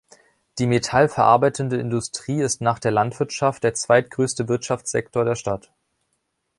Die metallverarbeitende Industrie ist nach der Landwirtschaft der zweitgrößte Wirtschaftsfaktor der Stadt.